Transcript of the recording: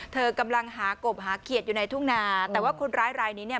เธอกำลังหากบหาเขียดอยู่ในทุ่งนาแต่ว่าคนร้ายรายนี้เนี่ย